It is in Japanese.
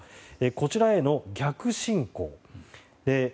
こちらへの逆侵攻。